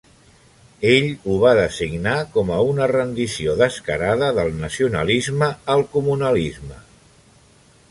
Ell ho va designar com a una "rendició descarada del nacionalisme al comunalisme".